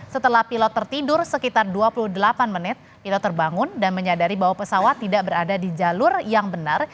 setelah pilot tertidur sekitar dua puluh delapan menit itu terbangun dan menyadari bahwa pesawat tidak berada di jalur yang benar